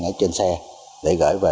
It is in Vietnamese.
ở trên xe để gửi về